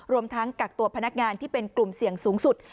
รวมทั้งกักตัวพนักงานที่เป็นกลุ่มเสี่ยงสูงสุด